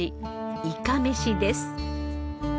いかめしです。